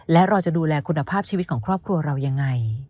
และเราจะดูแลคุณภาพชีวิตของครอบครัวเรายังไง